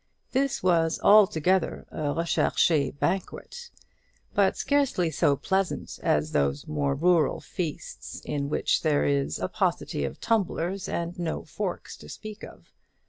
This was altogether a recherché banquet; but scarcely so pleasant as those more rural feasts, in which there is a paucity of tumblers, and no forks to speak of.